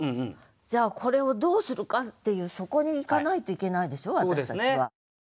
じゃあこれをどうするかっていうそこにいかないといけないでしょ私たちは。